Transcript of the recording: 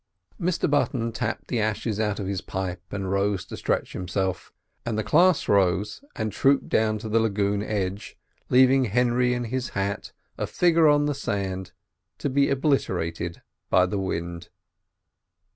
Mr Button tapped the ashes out of his pipe and rose to stretch himself, and the class rose and trooped down to the lagoon edge, leaving Henry and his hat a figure on the sand to be obliterated by the wind.